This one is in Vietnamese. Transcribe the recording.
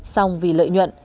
xong vì lợi nhuận